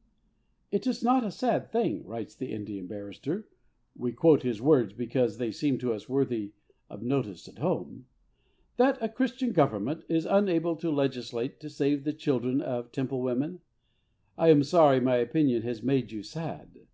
_ "Is it not a sad thing," writes the Indian barrister we quote his words because they seem to us worthy of notice at home "that a Christian Government is unable to legislate to save the children of Temple women? I am sorry my opinion has made you sad.